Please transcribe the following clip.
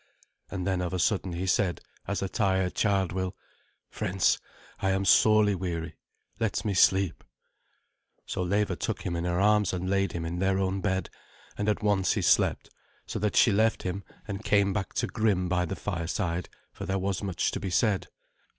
And then of a sudden he said, as a tired child will, "Friends, I am sorely weary. Let me sleep." So Leva took him in her arms and laid him in their own bed; and at once he slept, so that she left him and came back to Grim by the fireside, for there was much to be said.